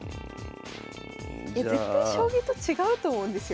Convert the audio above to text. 絶対将棋と違うと思うんですよ